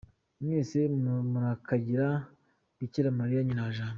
Mwese murakagira Bikira Mariya, Nyina wa Jambo.